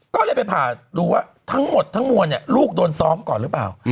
ก็เลยไปผ่าดูว่าทั้งหมดทั้งมวลลูกโดนซ้อมก่อนหรือเปล่า